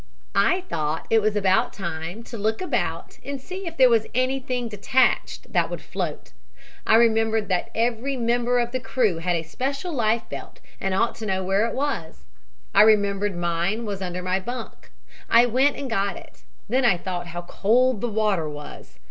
"I thought it was about time to look about and see if there was anything detached that would float. I remembered that every member of the crew had a special life belt and ought to know where it was. I remembered mine was under my bunk. I went and got it. Then I thought how cold the water was.